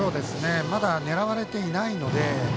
まだ狙われていないので。